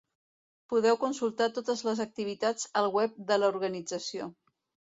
Podeu consultar totes les activitats al web de l'organització.